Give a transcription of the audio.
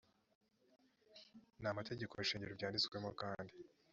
namategeko shingiro byanditsemo kandi